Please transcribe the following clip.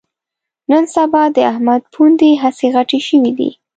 نن سبا د احمد پوندې هسې غټې شوې دي